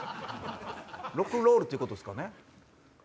ロックンロールということですかね？